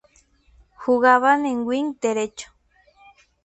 Jugaba de wing derecho.